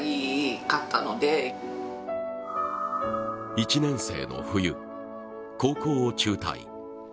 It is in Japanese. １年生の冬、高校を中退。